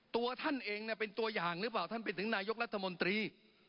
ตัวท่านเองเป็นตัวอย่างหรือเปล่าท่านเป็นถึงนายกรัฐมนตรี